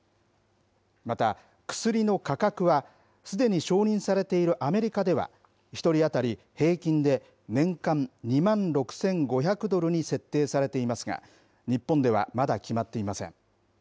また、薬の価格は、すでに承認されているアメリカでは、１人当たり平均で年間２万６５００ドルに設定されていますが、日本ではまだ決まっていません。